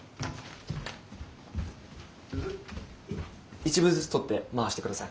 １部ずつ取って回してください。